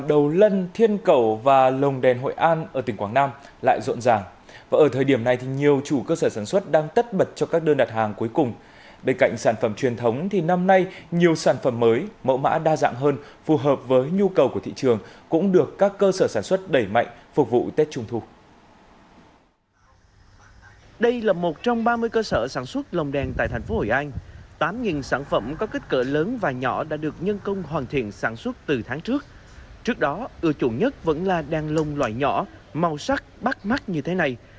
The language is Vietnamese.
đây là một trong ba mươi cơ sở sản xuất lồng đèn tại thành phố hội an tám sản phẩm có kích cỡ lớn và nhỏ đã được nhân công hoàn thiện sản xuất từ tháng trước trước đó ưa chuộng nhất vẫn là đèn lồng loại nhỏ màu sắc bắt mắt như thế này